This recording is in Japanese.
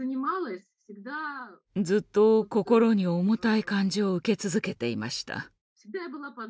ずっと心に重たい感じを受け続けていました。